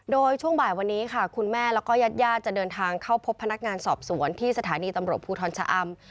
โดยช่วงบ่ายวันนี้ค่ะคุณแม่แล้วก็ญาติญาติจะเดินทางเข้าพบพนักงานสอบสวนที่สถานีตำรวจภูทรชะอำ